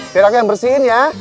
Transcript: biar aku yang bersihin ya